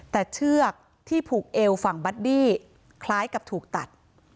แต่เชือกที่ผูกเอวฝั่งบัดดี้คล้ายกับถูกตัด